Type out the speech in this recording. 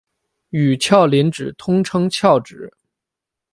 与鞘磷脂通称鞘脂。